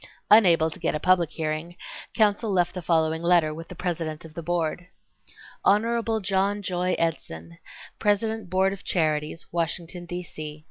Unable to get a public hearing, counsel left the following letter with the President of the Board: Hon. John Joy Edson, President Board of Charities, Washington, D. C.